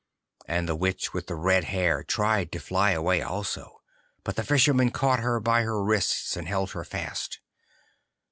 And the Witch with the red hair tried to fly away also, but the Fisherman caught her by her wrists, and held her fast.